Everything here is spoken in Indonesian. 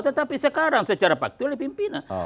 tetapi sekarang secara faktual dipimpin